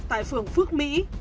tại phường phước mỹ